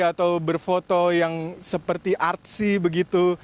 atau berfoto yang seperti artsy begitu